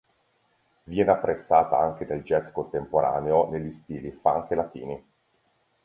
Viene apprezzata anche nel jazz contemporaneo negli stili funk e latini.